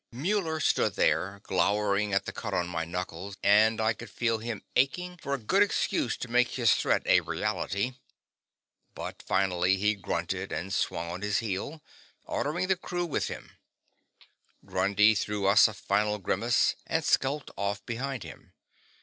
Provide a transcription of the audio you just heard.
Muller stood there, glowering at the cut on my knuckles, and I could feel him aching for a good excuse to make his threat a reality. But finally, he grunted and swung on his heel, ordering the crew with him. Grundy threw us a final grimace and skulked off behind him.